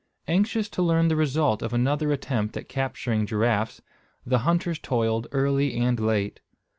Anxious to learn the result of another attempt at capturing giraffes, the hunters toiled early and late.